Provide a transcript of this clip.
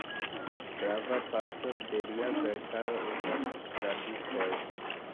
Grava parto de lia verkaro estas tradukoj.